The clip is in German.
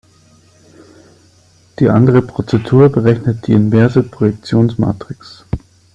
Die andere Prozedur berechnet die inverse Projektionsmatrix.